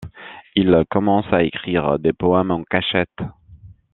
Il commence à écrire des poèmes en cachette.